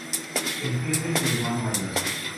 El jefe es el hermano mayor.